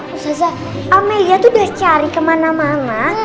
ustazah amelia tuh udah cari kemana mana